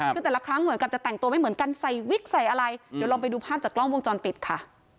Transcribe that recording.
คือแต่ละครั้งเหมือนกับจะแต่งตัวไม่เหมือนกันใส่วิกใส่อะไรเดี๋ยวลองไปดูภาพจากกล้องวงจรปิดค่ะ